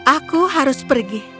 aku harus pergi